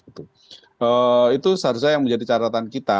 itu seharusnya yang menjadi catatan kita